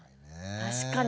確かに。